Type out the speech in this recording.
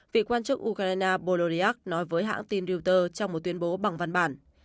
vị quan chức ukraine podolyak nói với hãng tin reuters trong một tuyên bố bằng văn bản